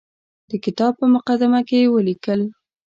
د کتاب په مقدمه کې یې ولیکل.